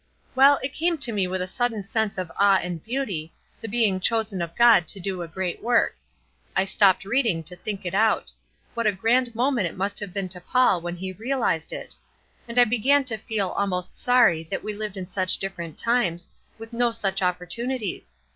Well, it came to me with a sudden sense of awe and beauty, the being chosen of God to do a great work. I stopped reading to think it out; what a grand moment it must have been to Paul when he realized it. And I began to feel almost sorry that we lived in such different times, with no such opportunities!